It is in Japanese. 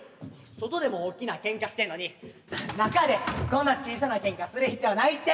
外でも大きなけんかしてんのに中でこんな小さなけんかする必要ないって。